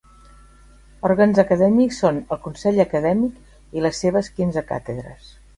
Òrgans acadèmics són el Consell Acadèmic i les seves quinze Càtedres.